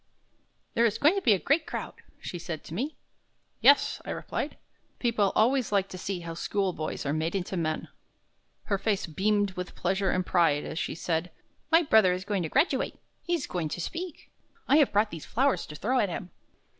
"There is going to be a great crowd," she said to me. "Yes," I replied; "people always like to see how schoolboys are made into men." Her face beamed with pleasure and pride as she said: "My brother is going to graduate; he's going to speak. I have brought these flowers to throw at him."